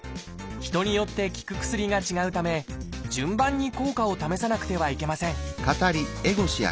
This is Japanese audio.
人によって効く薬が違うため順番に効果を試さなくてはいけません